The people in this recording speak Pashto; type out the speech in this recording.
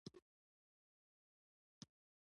سبق مو نن تکرار کړ